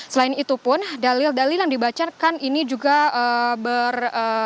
selain itu pun dalil dalil yang dibacakan ini juga ber